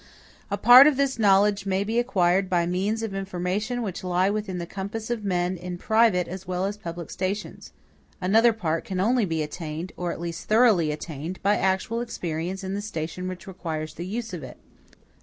A part of this knowledge may be acquired by means of information which lie within the compass of men in private as well as public stations. Another part can only be attained, or at least thoroughly attained, by actual experience in the station which requires the use of it.